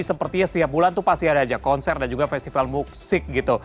sepertinya setiap bulan tuh pasti ada aja konser dan juga festival musik gitu